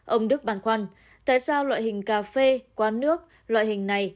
ông đức bàn khoăn tại sao loại hình cà phê quán nước loại hình này